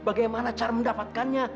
bagaimana cara mendapatkannya